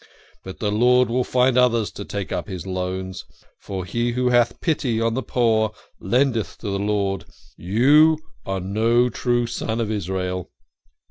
But the Lord will find others to take up his loans for he who hath pity on the poor lendeth to the Lord. You are no true son of Israel."